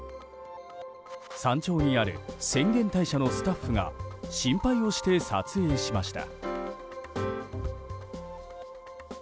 山頂にある浅間大社のスタッフが心配をして撮影しました。